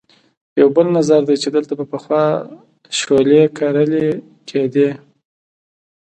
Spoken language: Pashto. یو بل نظر دی چې دلته به پخوا شولې کرلې کېدې.